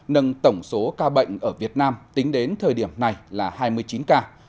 nâng tổng số ca bệnh ở việt nam tính đến thời điểm này là hai mươi chín ca